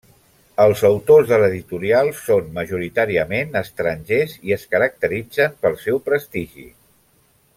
Els autors de l'editorial són majoritàriament estrangers i es caracteritzen pel seu prestigi.